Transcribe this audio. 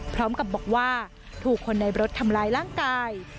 พร้อมกับบอกว่าถูกคนในรถทำร้ายร่างกาย